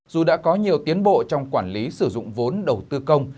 dù đã có nhiều tiến bộ trong quản lý sử dụng vốn đầu tư công